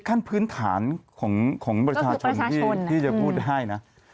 ขั้นพื้นฐานของประชาชนที่จะพูดให้นะ